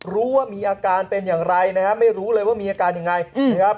รู้ว่ามีอาการเป็นอย่างไรนะครับไม่รู้เลยว่ามีอาการอย่างไร